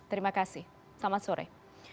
terima kasih selamat sore